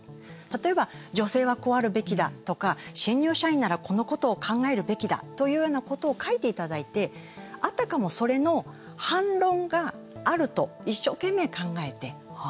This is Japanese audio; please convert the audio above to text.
例えば女性はこうあるべきだとか新入社員なら、このことを考えるべきだというようなことを書いていただいてあたかもそれの反論があると一生懸命考えて。